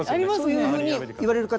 そういうふうに言われる方